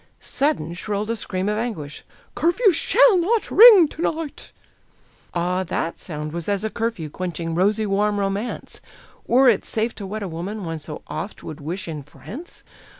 Sudden shrilled a scream of anguish: "Curfew SHALL not ring to night!" Ah, that sound was as a curfew, quenching rosy warm romance! Were it safe to wed a woman one so oft would wish in France?